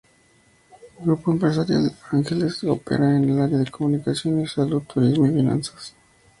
Grupo Empresarial Ángeles opera en el área de comunicaciones, salud, turismo y finanzas.